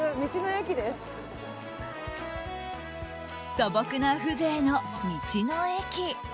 素朴な風情の道の駅。